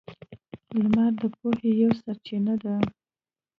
• لمر د پوهې یوه سرچینه ده.